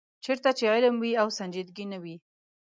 چېرته چې علم وي او سنجیدګي نه وي.